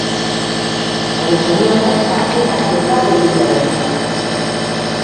Baina, zorionez, partidak jokatu egin behar dira.